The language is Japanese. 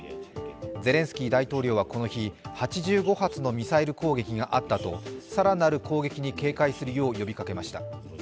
ゼレンスキー大統領はこの日、８５発のミサイル攻撃があったと、更なる攻撃に警戒するよう呼びかけました。